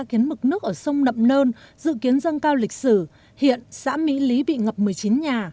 khiến mực nước ở sông nậm nơn dự kiến dâng cao lịch sử hiện xã mỹ lý bị ngập một mươi chín nhà